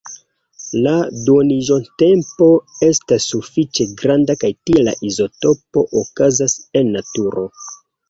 La duoniĝotempo estas sufiĉe granda kaj tiel la izotopo okazas en naturo.